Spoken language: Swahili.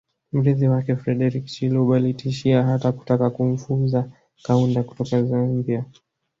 Mrithi wake Frederich Chiluba alitishia hata kutaka kumfuza Kaunda kutoka Zambia